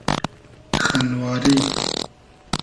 خئنواری